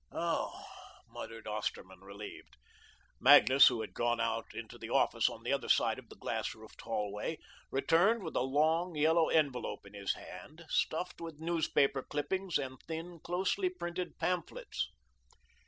"Oh," muttered Osterman relieved. Magnus, who had gone out into the office on the other side of the glass roofed hallway, returned with a long, yellow envelope in his hand, stuffed with newspaper clippings and thin, closely printed pamphlets.